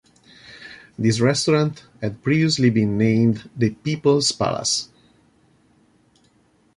This restaurant had previously been named The Peoples Palace.